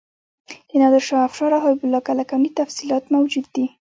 د نادر شاه افشار او حبیب الله کلکاني تفصیلات موجود دي.